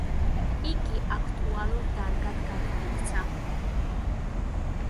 იგი აქტუალურ დარგად გადაიქცა.